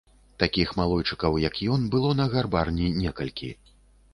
Такіх малойчыкаў, як ён, было на гарбарні некалькі.